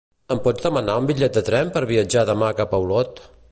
Em pots demanar un bitllet de tren per viatjar demà cap a Olot?